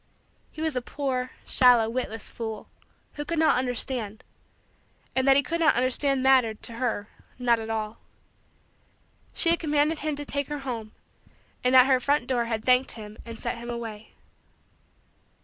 He was a poor, shallow, witless, fool who could not understand; and that he could not understand mattered, to her, not at all. She had commanded him to take her home and at her front door had thanked him and sent him away.